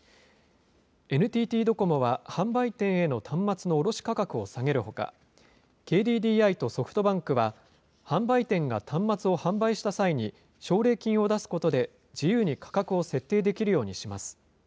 ＮＴＴドコモは、販売店への端末の卸価格を下げるほか、ＫＤＤＩとソフトバンクは、販売店が端末を販売した際に奨励金を出すことで、自由に価格を設定できるようにします。